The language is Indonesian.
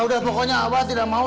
udah pokoknya awal tidak mau